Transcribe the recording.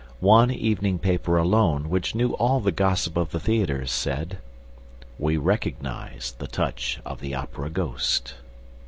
One evening paper alone, which knew all the gossip of the theaters, said: "We recognize the touch of the Opera ghost."